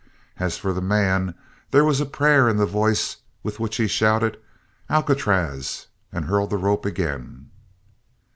As for the man, there was a prayer in the voice with which he shouted: "Alcatraz!" and hurled the rope again.